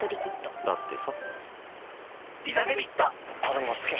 だってさ